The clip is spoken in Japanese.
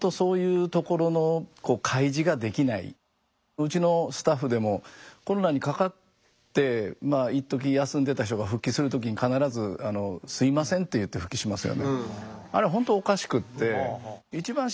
うちのスタッフでもコロナにかかっていっとき休んでた人が復帰する時に必ず玉木さんどう思われますか？